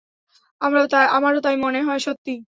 আমারও তাই মনে হয়, - সত্যি?